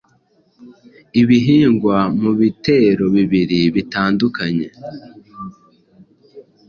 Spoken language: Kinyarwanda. ibihingwa, mu bitero bibiri bitandukanye.